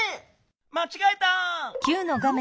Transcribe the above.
まちがえた！